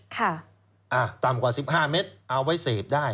ต่ำกว่า๑๕เมตรเอาไว้เสพได้